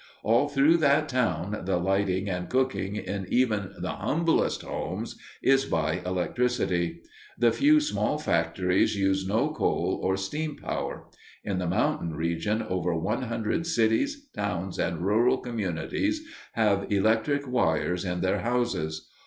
All through that town the lighting and cooking in even the humblest homes is by electricity. The few small factories use no coal or steam power. In the mountain region over one hundred cities, towns, and rural communities have electric wires in their houses.